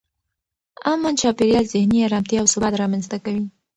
امن چاپېریال ذهني ارامتیا او ثبات رامنځته کوي.